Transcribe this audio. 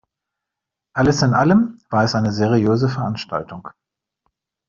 Alles in allem war es eine seriöse Veranstaltung.